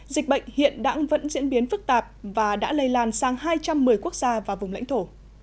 dịch bệnh hiện đang vẫn diễn biến phức tạp và đã lây lan sang hai trăm một mươi quốc gia và vùng lãnh thổ